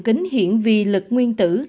kính hiển vi lực nguyên tử